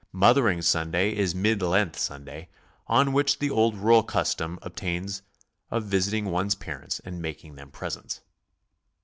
Mothering Sunday is Mid Lent Sunday, on which the 20 GOING ABROAD? old rural custom obtains of visiting one's parents and mak ing them presents.